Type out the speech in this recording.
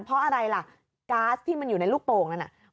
เพราะอะไรล่ะก๊าซที่มันอยู่ในลูกโป่งนั้นน่ะ